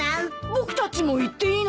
僕たちも行っていいの？